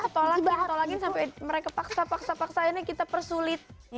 tolakin tolakin sampe mereka paksa paksa paksainya kita persulit